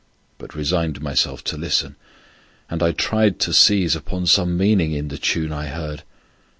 but resigned Myself to listen, and I tried to seize Upon some meaning in the tune I heard.